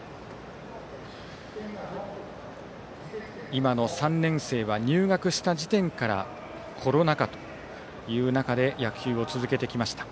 今の３年生は入学した時点からコロナ禍という中で野球を続けてきました。